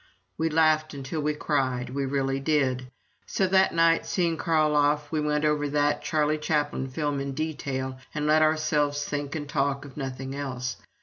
We laughed until we cried we really did. So that night, seeing Carl off, we went over that Charlie Chaplin film in detail and let ourselves think and talk of nothing else.